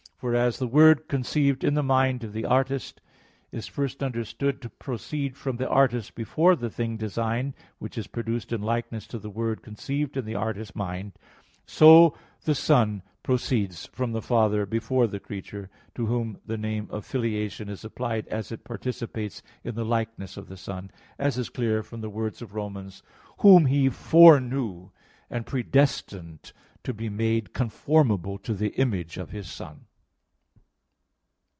For as the word conceived in the mind of the artist is first understood to proceed from the artist before the thing designed, which is produced in likeness to the word conceived in the artist's mind; so the Son proceeds from the Father before the creature, to which the name of filiation is applied as it participates in the likeness of the Son, as is clear from the words of Rom. 8:29: "Whom He foreknew and predestined to be made conformable to the image of His Son."